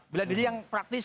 bela diri yang praktis